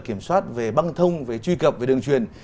kiểm soát về băng thông về truy cập về đường truyền